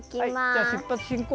じゃあ出発進行！